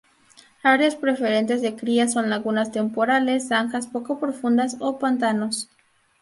Áreas preferentes de cría son lagunas temporales, zanjas poco profundas, o pantanos.